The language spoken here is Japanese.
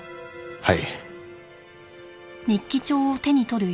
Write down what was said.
はい。